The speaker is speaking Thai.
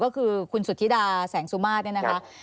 ก็คือคุณสุธิดาแสงสุมาตรเนี่ยนะคะ